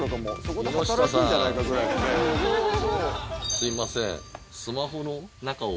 すいません。